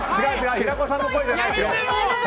平子さんの声じゃないよ。